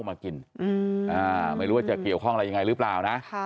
มากินว่าจะเกี่ยวข้องอะไรอย่างไรหรือเปล่านะ